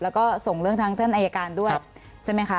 และก็ส่งเรื่องทางต่างนายการด้วย